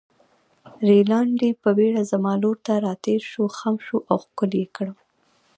رینالډي په بېړه زما لور ته راتېر شو، خم شو او ښکل يې کړم.